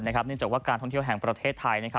เนื่องจากว่าการท่องเที่ยวแห่งประเทศไทย